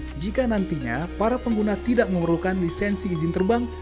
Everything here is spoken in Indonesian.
pihak flynano mengklaim jika nantinya para pengguna tidak memerlukan lisensi izin terbang